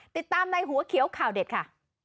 ติดตามในหัวเขียวข่าวเด็ดค่ะ